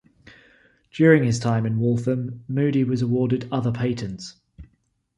During his time in Waltham, Moody was awarded other patents.